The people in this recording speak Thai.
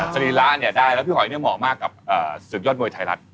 สนิราฯได้แล้วพี่หอยเหมาะมากกับสุขยอดมวยไทยรัฐ